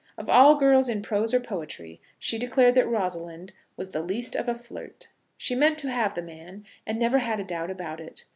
Of all girls in prose or poetry she declared that Rosalind was the least of a flirt. She meant to have the man, and never had a doubt about it.